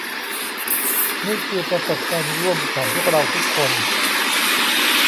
นี่คือประสบการณ์ร่วมของพวกเราทุกคน